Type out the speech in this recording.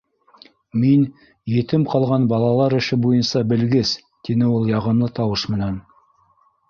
— Мин етем ҡалған балалар эше буйынса белгес, — тине ул яғымлы тауышы менән.